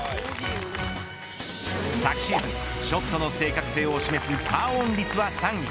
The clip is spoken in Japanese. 昨シーズンショットの正確性を示すパーオン率は３位。